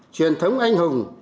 truyền thống anh hùng